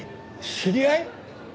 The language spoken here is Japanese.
知り合い？